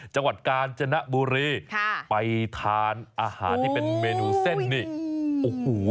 จังหวัดกาญจนบุรีค่ะไปทานอาหารที่เป็นเมนูเส้นนี่โอ้โห